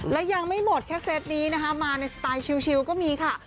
และยังไม่หมดแค่เซตนี้นะคะมาในสไตล์ชิลก็มีค่ะ